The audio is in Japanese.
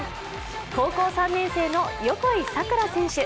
高校３年生の横井咲桜選手。